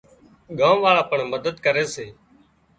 ڳام واۯان پڻ مدد ڪري سي